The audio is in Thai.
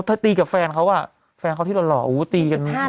ถ้าตีกับแฟนเขาอะแฟนเขาที่ร่อนหรอกอู๋ตีกัน